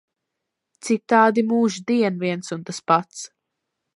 Citādi mūždien viens un tas pats.